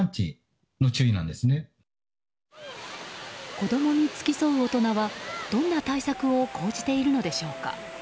子供に付き添う大人はどんな対策を講じているのでしょうか。